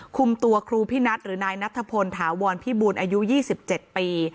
คุมตัวครูพินัทหรือนายนัทพลถาวรพิบูลอายุ๒๗ปี